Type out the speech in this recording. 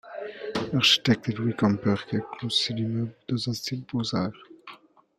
L'architecte est Louis Kamper qui a conçu l'immeuble dans un style Beaux-arts.